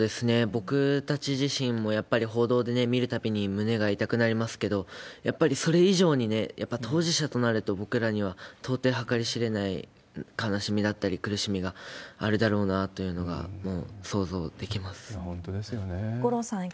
僕たち自身も、やっぱり報道で見るたびに胸が痛くなりますけど、やっぱりそれ以上にね、やっぱ当事者となると、僕らには、到底計り知れない悲しみだったり苦しみがあるだろうなというのが本当ですよね。